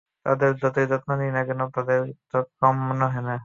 তাদের যতই যত্ন নিই না কেন, তাদের তা কম মনে হবে!